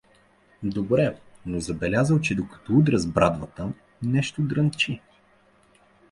Добре, но забелязал, че докато удрял с брадвата, нещо дрънчи.